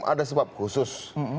ada sebab khusus